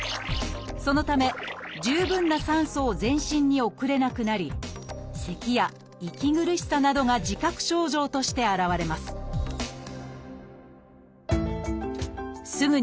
そのため十分な酸素を全身に送れなくなりせきや息苦しさなどが自覚症状として現れます